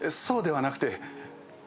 そうではなくて。